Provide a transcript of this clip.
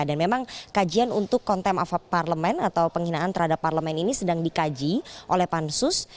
dan memang kajian untuk kontem of parlement atau penghinaan terhadap parlement ini sedang dikaji oleh pansus